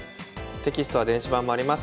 テキストは電子版もあります。